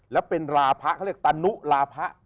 และเป็นราพะเรียกว่าตานุราพะ